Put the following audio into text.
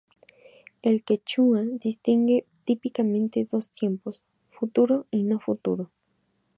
El quechua distingue típicamente dos tiempos: futuro y no futuro.